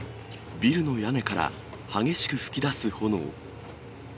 ビルの屋根から激しく噴き出す炎。